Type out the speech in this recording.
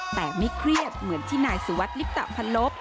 แต่ไม่เครียดเหมือนที่นายสุวัสดิลิปตะพันลบ